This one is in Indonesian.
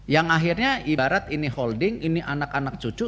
yang akhirnya ibarat ini holding ini anak anak cucu